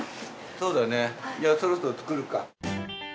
そうだねそろそろ作るか。